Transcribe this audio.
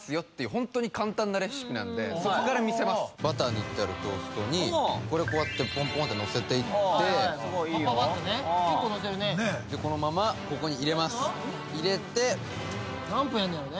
本当に簡単なレシピなんでそっから見せますバター塗ってあるトーストにこれこうやってのせていってパパパッとね結構のせるねこのままここに入れます入れて何分やんのやろね